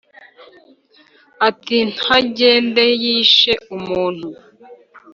ati : ntagende yishe umuntu